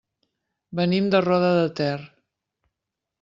Venim de Roda de Ter.